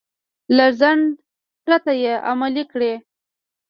له ځنډ پرته يې عملي کړئ.